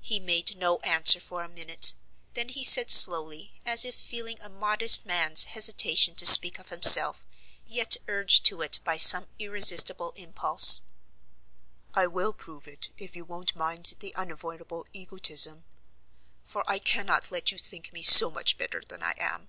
He made no answer for a minute. Then he said slowly, as if feeling a modest man's hesitation to speak of himself, yet urged to it by some irresistible impulse: "I will prove it if you won't mind the unavoidable egotism; for I cannot let you think me so much better than I am.